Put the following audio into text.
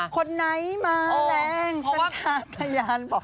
คนไหนมาแล้งสัญญาณบอก